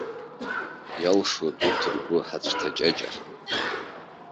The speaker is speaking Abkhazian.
Иалшоит урҭ ргәы ҳацәҭаҷаҷар.